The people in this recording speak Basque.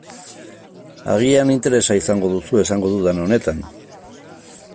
Agian interesa izango duzu esango dudan honetan.